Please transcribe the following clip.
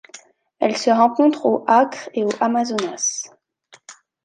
Elle se rencontre au Acre et au Amazonas.